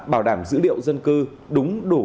bảo đảm dữ liệu dân cư đúng đủ